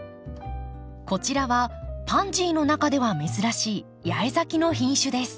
こちらはパンジーの中では珍しい八重咲きの品種です。